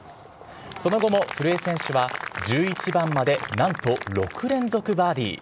その後も古江選手は、１１番までなんと６連続バーディー。